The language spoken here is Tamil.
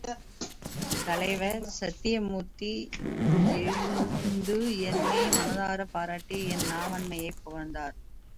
தலைவர் சத்யமூர்த்தி எழுந்து என்னை மனதாரப் பாராட்டி என் நாவன்மையைப் புகழ்ந்தார்.